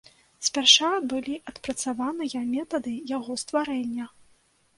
Спярша былі адпрацаваныя метады яго стварэння.